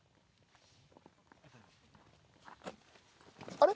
あれ？